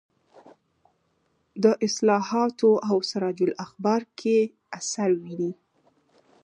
د اصلاحاتو او سراج الاخبار کې اثر ویني.